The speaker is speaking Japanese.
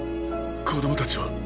子供たちは？